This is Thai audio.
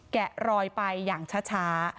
แกะรอยไปอย่างช้า